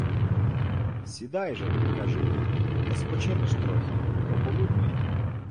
Сідай же, — каже дід, — та спочинеш трохи, пополуднуємо